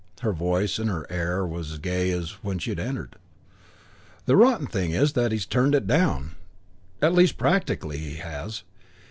Her voice and her air were as gay as when she had entered. "The rotten thing is that he's turned it down. At least practically has.